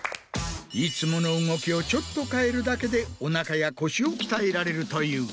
いつもの動きをちょっと変えるだけでおなかや腰を鍛えられるという。